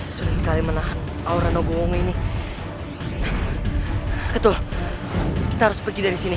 sulit kali menahan aura no gong ini ketuk kita harus pergi dari sini